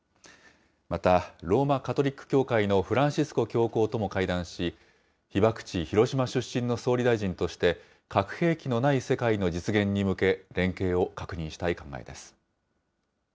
またローマ・カトリック教会のフランシスコ教皇とも会談し、被爆地、広島出身の総理大臣として、核兵器のない世界の実現に向け、連携を確認したい考えです。